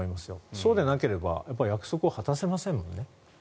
そうでなければ約束を果たせませんもんね。